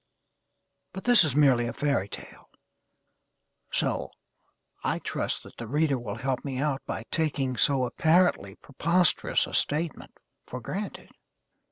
But this is merely a fairy tale; so, I trust that the reader will help me out by taking so apparently preposterous a statement for granted.